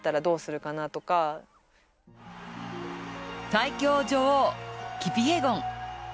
最強女王・キピエゴン。